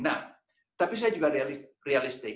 tetapi saya juga realistik